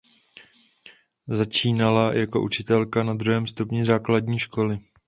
Začínala jako učitelka na druhém stupni základní školy.